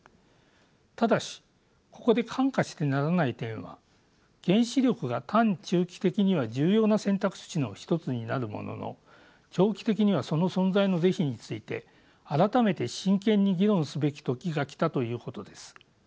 ただしここで看過してならない点は原子力が短・中期的には重要な選択肢の一つになるものの長期的にはその存在の是非について改めて真剣に議論すべき時が来たということです。